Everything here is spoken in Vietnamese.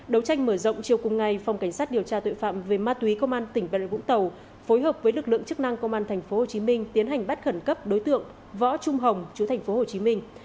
đấu tranh mở rộng chiều cùng ngày phòng cảnh sát điều tra tội phạm về ma túy công an tỉnh bà rịa vũng tàu phối hợp với lực lượng chức năng công an thành phố hồ chí minh tiến hành bắt khẩn cấp đối tượng võ trung hồng chú thành phố hồ chí minh